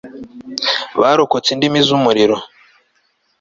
barokotse indimi z'umuriro